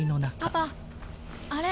「パパあれ」